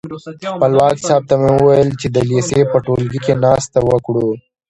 خپلواک صاحب ته مې وویل چې د لېسې په ټولګي کې ناسته وکړو.